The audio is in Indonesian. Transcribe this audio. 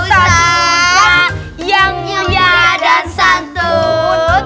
ustadz musa yang mulia dasantun